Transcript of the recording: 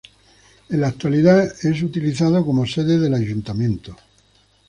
En la actualidad es utilizado como sede del Ayuntamiento.